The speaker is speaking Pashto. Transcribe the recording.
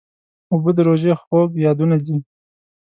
اوبه د روژې خوږ یادونه ده.